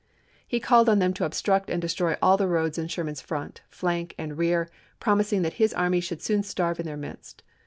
He called on them to obstruct and destroy all the roads in Sherman's front, flank, and rear, promising that his army should soon starve in their midst.